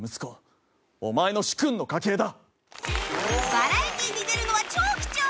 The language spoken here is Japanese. バラエティに出るのは超貴重